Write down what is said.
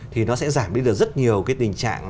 thì nó sẽ giảm đi được rất nhiều cái tình trạng